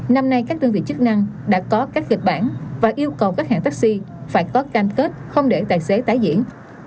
năm nay các đơn vị chức năng đã có các kịch bản và yêu cầu các hãng taxi phải có cam kết không để tài xế tái diễn